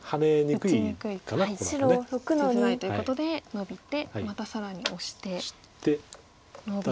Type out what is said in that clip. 打ちづらいということでノビてまた更にオシてノビて。